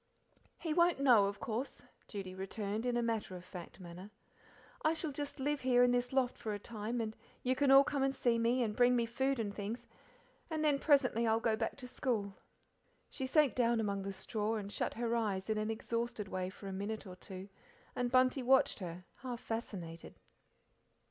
"He won't know, of course," Judy returned, in a matter of fact manner. "I shall just live here in this loft for a time, and you can all come to see me and bring me food and things, and then presently I'll go back to school." She sank down among the straw and shut her eyes in an exhausted way for a minute or two, and Bunty watched her half fascinated.